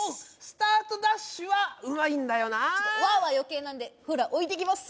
スタートダッシュはうまいんだよな「は」は余計なんでほらおいてきます